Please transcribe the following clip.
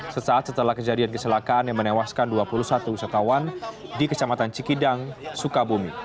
sesaat setelah kejadian kecelakaan yang menewaskan dua puluh satu wisatawan di kecamatan cikidang sukabumi